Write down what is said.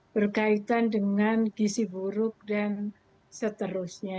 berkaitan dengan gisi buruk dan seterusnya